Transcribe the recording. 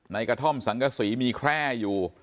กระท่อมสังกษีมีแคร่อยู่